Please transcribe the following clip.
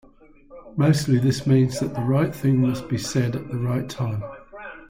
Mostly this means that the right thing must be said at the right time.